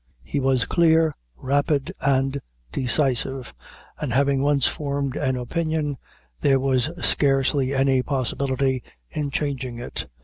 He was clear, rapid, and decisive, and having once formed an opinion, there was scarcely any possibility in changing it.